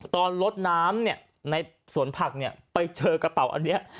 ตอนลดน้ำเนี่ยในสวนผักเนี่ยไปเจอกระเป๋าอันนี้